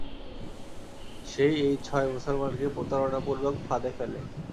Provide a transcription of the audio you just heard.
সে-ই এই ছয় মুসলমানকে প্রতারণাপূর্বক ফাঁদে ফেলে।